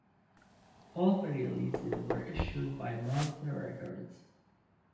All three releases were issued by Mountain Records.